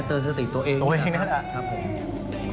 เติดสติตัวเองนะครับตัวเองนะครับ